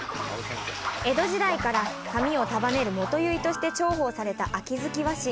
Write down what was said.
江戸時代から髪を束ねる元結として重宝された秋月和紙